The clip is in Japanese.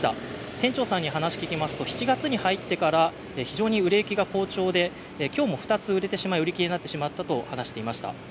店長さんに話を聞きますと、７月に入ってから非常に売れ行きが好調で今日も２つ売れてしまい売り切れになってしまったと話していました。